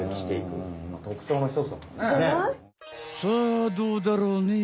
さあどうだろうね？